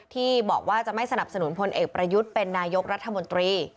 ที่บอกว่าจะไม่สนับสนุนพลเอกประยุทธ์เป็นนายกรัฐมนตรี